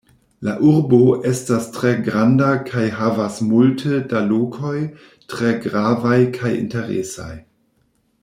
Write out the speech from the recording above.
La urbo estas tre granda kaj havas multe da lokoj tre gravaj kaj interesaj.